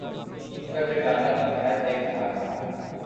ان کا جگانا تو محض ایک سہارا تھا